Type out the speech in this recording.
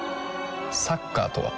サッカーとは？